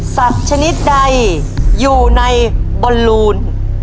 สัตว์ชนิดใดอยู่ในบลูน